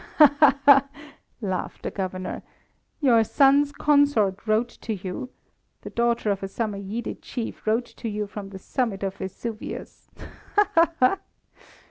"Ha, ha, ha!" laughed the Governor. "Your son's consort wrote to you! The daughter of a Samoyede chief wrote to you from the summit of Vesuvius! Ha, ha, ha!"